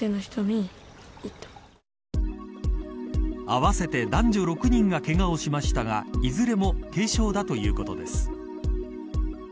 合わせて男女６人がけがをしましたがいずれも軽傷だということです。